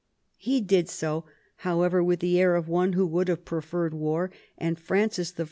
He did so, however, with the air of one who would have preferred war ; and Francis I.